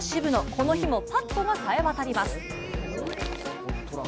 この日もパットがさえ渡ります。